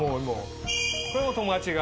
これも友達が。